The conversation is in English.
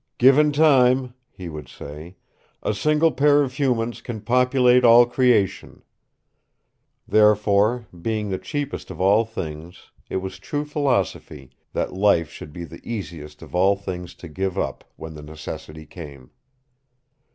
"Given time," he would say, "a single pair of humans can populate all creation." Therefore, being the cheapest of all things, it was true philosophy that life should be the easiest of all things to give up when the necessity came.